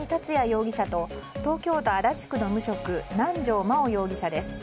容疑者と東京都足立区の無職南條真央容疑者です。